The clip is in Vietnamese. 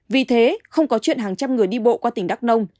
vì thế không có chuyện hàng trăm người đi bộ qua tỉnh đắk nông